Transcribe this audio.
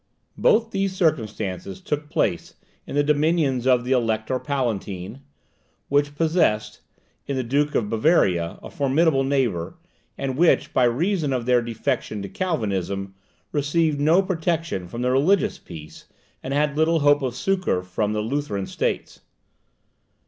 Both these circumstances took place in the dominions of the Elector Palatine, which possessed, in the Duke of Bavaria, a formidable neighbour, and which, by reason of their defection to Calvinism, received no protection from the Religious Peace, and had little hope of succour from the Lutheran states.